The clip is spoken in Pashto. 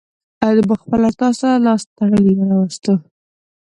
ما خپله تاسو ته لاس تړلى راوستو.